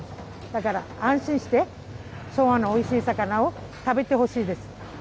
だから安心して、相馬のおいしい魚を食べてほしいです。